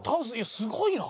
すごいな。